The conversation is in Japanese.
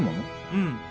うん。